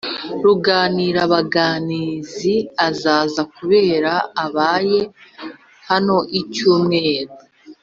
Ruganirabaganizi azaza kuba abaye hano icyumweru